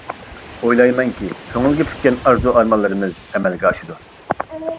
ئويلايمەنكى، كۆڭۈلگە پۈككەن ئارزۇ-ئارمانلىرىمىز ئەمەلگە ئاشىدۇ.